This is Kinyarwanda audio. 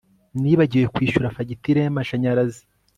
Nibagiwe kwishyura fagitire yamashanyarazi